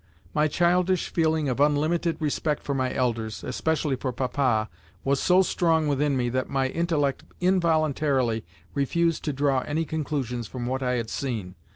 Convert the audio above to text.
... My childish feeling of unlimited respect for my elders, especially for Papa, was so strong within me that my intellect involuntarily refused to draw any conclusions from what I had seen.